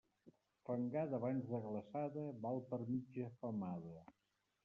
Fangada abans de glaçada val per mitja femada.